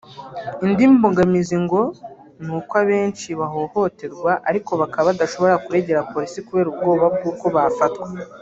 Indi mbogamizi ngo ni uko abenshi bahohoterwa ariko bakaba badashobora kuregera polisi kubera ubwoba bw’uko bafatwa